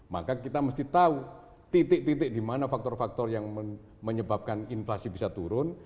maka kita mesti tahu titik titik di mana faktor faktor yang menyebabkan inflasi bisa turun